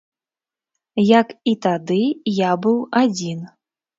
Як і тады, я быў адзін.